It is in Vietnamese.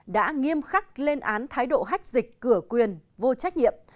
đã nghiêm khắc lên án thái độ hách dịch cửa quyền vô trách nhiệm